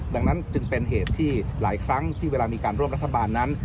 ดังนั้นจึงเป็นเหตุที่หลายครั้งที่เวลามีการร่วมรัฐบาลนั้น